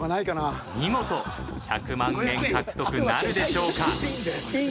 見事１００万円獲得なるでしょうか。